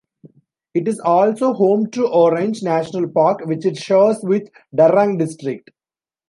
It is also home to Orang National Park, which it shares with Darrang district.